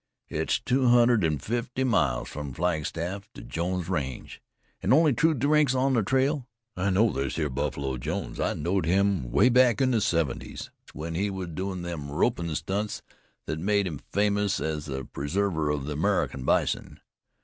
It's two hundred an' fifty miles from Flagstaff to Jones range, an' only two drinks on the trail. I know this hyar Buffalo Jones. I knowed him way back in the seventies, when he was doin' them ropin' stunts thet made him famous as the preserver of the American bison.